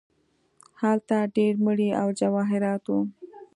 هلته ډیر مړي او جواهرات وو.